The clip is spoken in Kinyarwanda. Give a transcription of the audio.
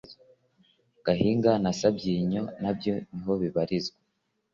Gahinga na Sabyinyo nabyo niho bibarizwa